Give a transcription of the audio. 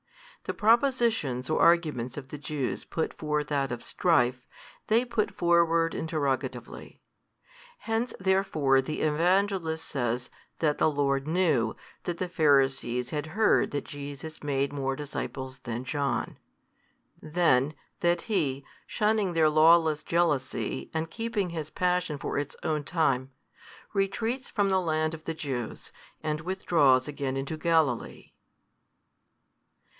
The propositions or arguments of the Jews put forth out of strife, they put forward interrogatively. Hence therefore the Evangelist says that the Lord knew that the Pharisees had heard that Jesus made more disciples than John, then that He shunning their lawless jealousy, and keeping His Passion for its own time, retreats from the land of the Jews, and withdraws again into Galilee.